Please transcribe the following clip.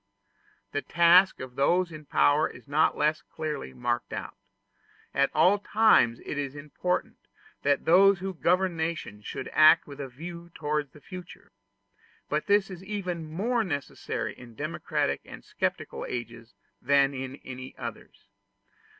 The task of those in power is not less clearly marked out. At all times it is important that those who govern nations should act with a view to the future: but this is even more necessary in democratic and sceptical ages than in any others.